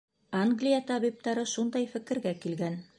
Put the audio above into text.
Англия табиптары шундай фекергә килгән.